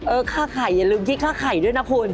ค่าไข่อย่าลืมคิดค่าไข่ด้วยนะคุณ